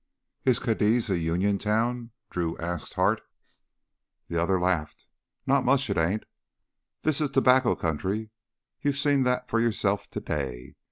"Is Cadiz a Union town?" Drew asked Hart. The other laughed. "Not much, it ain't. This is tobacco country; you seen that for yourself today.